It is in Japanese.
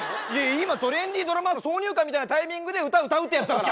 今トレンディードラマの挿入歌みたいなタイミングで歌歌うってやつだから。